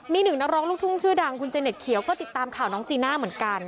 มีหนึ่งนักร้องลูกทุ่งชื่อดังคุณเจเน็ตเขียวก็ติดตามข่าวน้องจีน่าเหมือนกัน